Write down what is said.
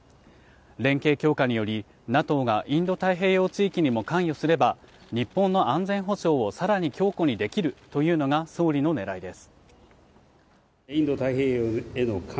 連携強化により、ＮＡＴＯがインド太平洋地域にも関与すれば、日本の安全保障を更に強固にできるというのが総理の狙いです。